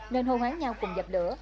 nên hô hoáng nhau cùng dập lửa